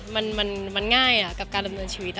มันง่ายกับการดำเนินชีวิต